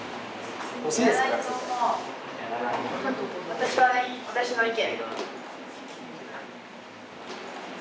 ・私はね私の意見。